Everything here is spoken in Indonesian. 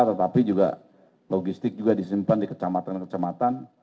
tetapi juga logistik juga disimpan di kecamatan kecamatan